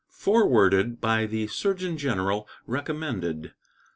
Forwarded by the Surgeon General recommended.